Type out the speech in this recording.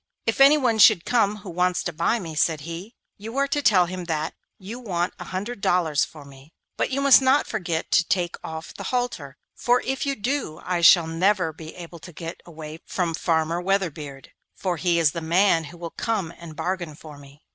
'If anyone should come who wants to buy me,' said he, 'you are to tell him that you want a hundred dollars for me; but you must not forget to take off the halter, for if you do I shall never be able to get away from Farmer Weatherbeard, for he is the man who will come and bargain for me.